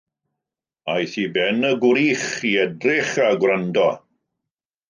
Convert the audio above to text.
Aeth i ben y gwrych i edrych a gwrando.